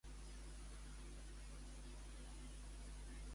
Oi tant que sí.